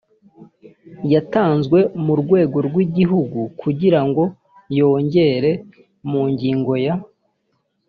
yatanzwe mu rwego rw igihugu kugira ngo yongere mu ngingo ya